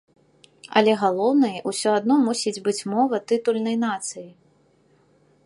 Але галоўнай усё адно мусіць быць мова тытульнай нацыі.